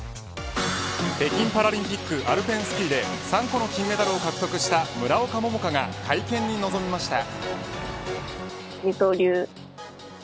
北京パラリンピックアルペンスキーで３個の金メダルを獲得した村岡桃佳が会見に臨みました。